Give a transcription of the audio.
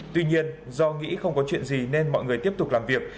tuy nhiên do nghĩ không có chuyện gì nên mọi người tiếp tục làm việc